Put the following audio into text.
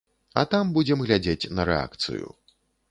А там будзем глядзець на рэакцыю.